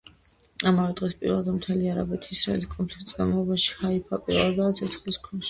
ამავე დღეს, პირველად მთელი არაბეთ-ისრაელის კონფლიქტის განმავლობაში, ჰაიფა პირველადაა ცეცხლის ქვეშ.